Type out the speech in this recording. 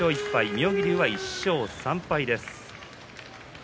妙義龍は１勝３敗です。